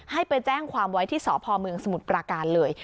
ให้ไปแจ้งความไว้ที่สพเมืองสมุทรปราการเลย